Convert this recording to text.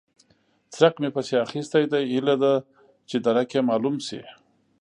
څرک مې پسې اخيستی دی؛ هيله ده چې درک يې مالوم شي.